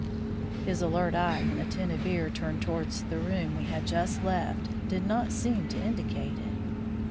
(His alert eye and attentive ear turned towards the room we had just left did not seem to indicate it.)